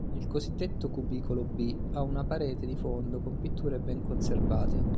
Il cosiddetto cubicolo "B" ha una parete di fondo con pitture ben conservate.